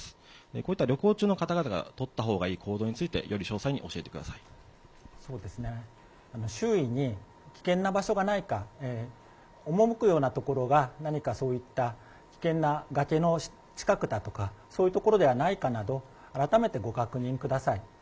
こういった旅行中の方々が取ったほうがいい行動について、より詳周囲に危険な場所がないか、赴くような所が何かそういった危険な崖の近くだとか、そういう所ではないかなど、改めてご確認ください。